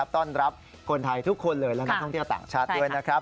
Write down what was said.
ต้อนรับคนไทยทุกคนเลยและนักท่องเที่ยวต่างชาติด้วยนะครับ